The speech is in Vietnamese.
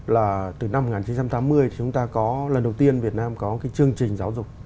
là từ năm một nghìn chín trăm tám mươi chúng ta có lần đầu tiên việt nam có cái chương trình giáo dục